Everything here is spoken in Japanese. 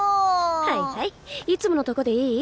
はいはいいつものとこでいい？